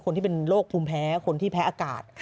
คนที่เป็นโรคภูมิแพ้คนที่แพ้อากาศ